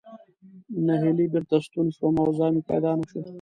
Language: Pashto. نهیلی بېرته ستون شوم او ځای مې پیدا نه شو.